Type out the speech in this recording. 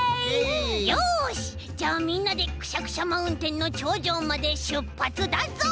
よしじゃあみんなでくしゃくしゃマウンテンのちょうじょうまでしゅっぱつだぞう！